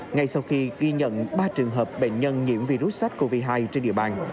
ngay sau khi ghi nhận ba trường hợp bệnh nhân nhiễm virus sars cov hai trên địa bàn